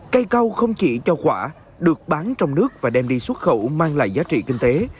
cây cao không chỉ cho quả được bán trong nước và đem đi xuất khẩu mang lại giá trị kinh tế